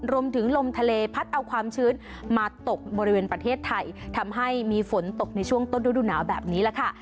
ลมทะเลพัดเอาความชื้นมาตกบริเวณประเทศไทยทำให้มีฝนตกในช่วงต้นฤดูหนาวแบบนี้แหละค่ะ